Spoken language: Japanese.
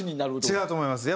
違うと思います。